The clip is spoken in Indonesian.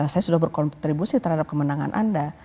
saya sudah berkontribusi terhadap kemenangan anda